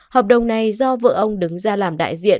hợp đồng này do vợ ông đứng ra làm đại diện